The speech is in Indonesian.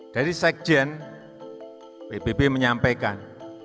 dari sekjen ppp menyampaikan